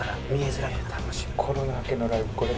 コロナ明けのライブこれが。